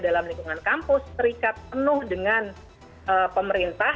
dalam lingkungan kampus terikat penuh dengan pemerintah